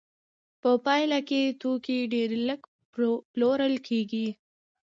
په پایله کې توکي ډېر لږ پلورل کېږي